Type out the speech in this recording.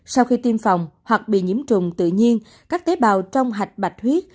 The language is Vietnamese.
sau khi tiêm phòng hoặc bị nhiễm trùng tự nhiên các tế bào trong hạch bạch bạch huyết